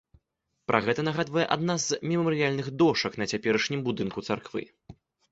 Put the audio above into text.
Пра гэта нагадвае адна з мемарыяльных дошак на цяперашнім будынку царквы.